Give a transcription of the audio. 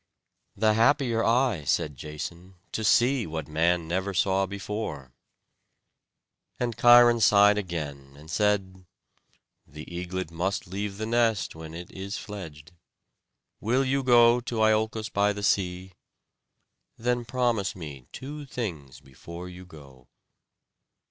"The happier I," said Jason, "to see what man never saw before." And Cheiron sighed again, and said: "The eaglet must leave the nest when it is fledged. Will you go to Iolcos by the sea? Then promise me two things before you go."